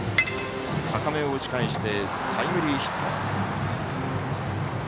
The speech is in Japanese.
高めを打ち返してタイムリーヒット。